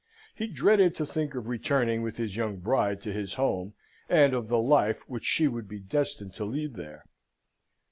He dreaded to think of returning with his young bride to his home, and of the life which she would be destined to lead there.